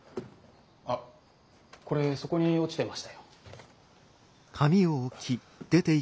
あっこれそこに落ちてましたよ。